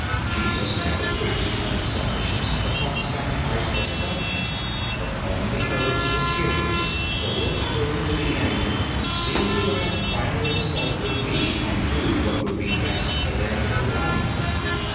Jesus never preached unselfishness or talked sacrifice as such, but only urged His hearers to look through to the end, see what the final result would be and do what would be best for them in the long run.